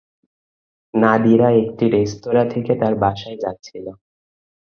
নাদিরা একটি রেস্তোঁরা থেকে তার বাসায় যাচ্ছিল।